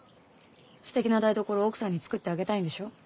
素敵な台所を奥さんに作ってあげたいんでしょ？